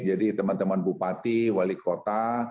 jadi teman teman bupati wali kota